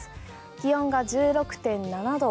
気温が１６．７度